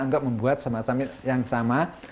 anggap membuat semacam yang sama